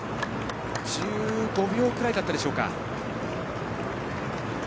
１５秒くらいだったでしょうか。